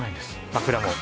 枕も。